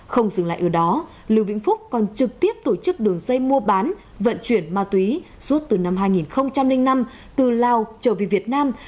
không dừng lại ở đó lưu vĩnh phúc còn trực tiếp tổ chức đường dây mua bán vận chuyển ma túy suốt từ năm hai nghìn năm từ lào trở về việt nam